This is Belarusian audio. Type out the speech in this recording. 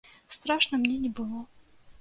Страшна мне не было.